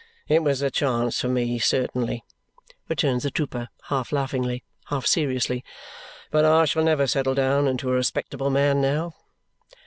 "It was a chance for me, certainly," returns the trooper half laughingly, half seriously, "but I shall never settle down into a respectable man now.